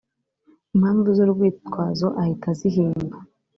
impamvu z’urwitwazo ahita azihimba